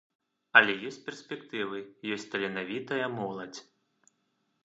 Але ёсць перспектывы, ёсць таленавітая моладзь.